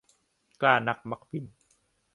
กล้านักมักบิ่น